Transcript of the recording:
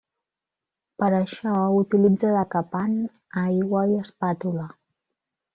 Per a això, utilitza decapant, aigua i espàtula.